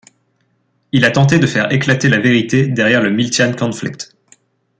Il a tenté de faire éclater la vérité derrière le Miltian Conflict.